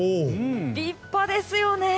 立派ですよね！